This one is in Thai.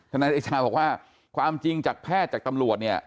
นายเดชาบอกว่าความจริงจากแพทย์จากตำรวจเนี่ย